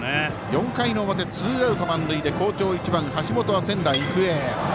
４回の表、仙台育英ツーアウト満塁で好調１番、橋本は仙台育英。